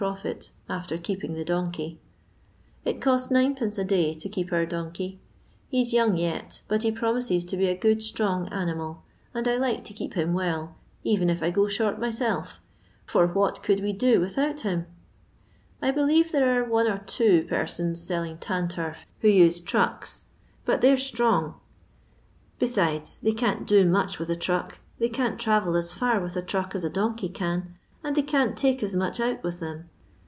profit, afier keeping the donkey. It costs 9(2. a day to keep our donkey; he's yonag yet, but he promises to be a good strong animal, and I like to keep him well, eren n I go short myself, for what could we do with out himi I believe there are one or two pe^ sons seUing Un turf who use trucks, but they 'rs strong; besides they can't do much wita a tmck, they can't travel as far with a tnd^ as a donkey can, and they can't take as mask out with them.